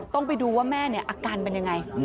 ต้องไปดูว่าแม่อาการเป็นยังไง